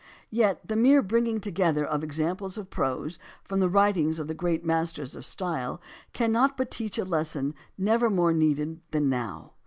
Yet the mere bringing together of examples of prose from the writings of the great masters of style cannot but teach a lesson never more needed than now.